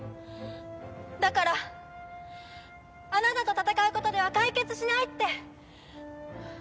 だからあなたと戦うことでは解決しないって。